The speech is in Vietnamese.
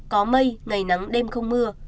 có mây ngày nắng đêm không mưa